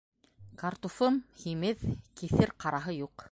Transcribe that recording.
- Картуфым һимеҙ, киҫер ҡараһы юҡ.